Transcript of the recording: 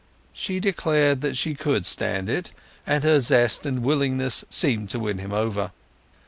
She declared that she could stand it, and her zest and willingness seemed to win him over.